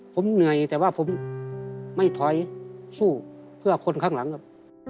ผมเหนื่อยแต่ว่าผมไม่ถอยสู้เพื่อคนข้างหลังครับ